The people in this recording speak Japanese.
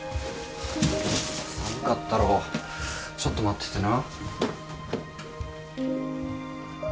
寒かったろちょっと待っててな。